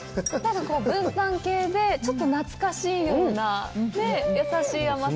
文旦系で、ちょっと懐かしいようなね、優しい甘さ。